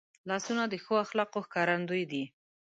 لاسونه د ښو اخلاقو ښکارندوی دي